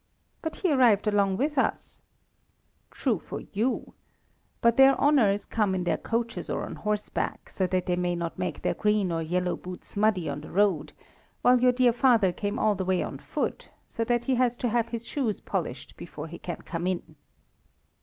"But he arrived along with us." "True for you. But their honours come in their coaches or on horseback, so that they may not make their green or yellow boots muddy on the road, while your dear father came all the way on foot, so that he has to have his shoes polished before he can come in."